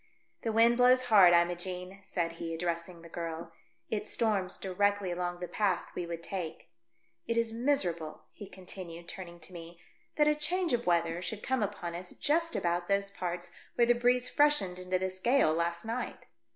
"The wind blows hard, Imogene," said he, addressing the girl. " It storms directly along the path we would take. It is miser able," he continued, turning to me, " that a change of weather should come upon us just about those parts where the breeze freshened into this gale last night.